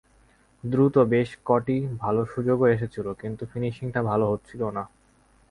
দ্রুত বেশ কটি ভালো সুযোগও এসেছিল, কিন্তু ফিনিশিংটা ভালো হচ্ছিল না।